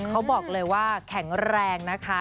เขาบอกเลยว่าแข็งแรงนะคะ